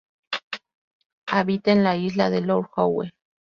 Habita en la Isla de Lord Howe.